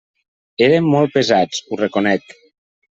Érem molt pesats, ho reconec.